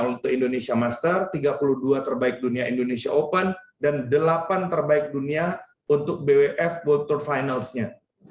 untuk indonesia master tiga puluh dua terbaik dunia indonesia open dan delapan terbaik dunia untuk bwf world tour finals nya